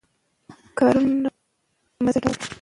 هره کورنۍ چې روغ عادتونه لري، اندېښنې نه زیاتوي.